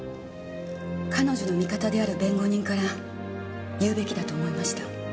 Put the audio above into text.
彼女の味方である弁護人から言うべきだと思いました。